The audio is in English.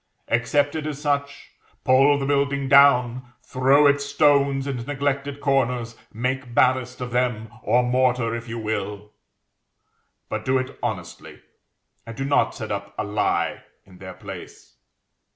Accept it as such, pull the building down, throw its stones into neglected corners, make ballast of them, or mortar, if you will; but do it honestly, and do not set up a Lie in their place.